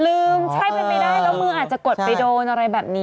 ลืมใช้ไม่ได้แล้วมึงอาจจะกดไปโดนอะไรแบบนี้